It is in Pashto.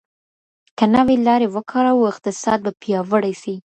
که نوي لاري وکاروو اقتصاد به پیاوړی سي.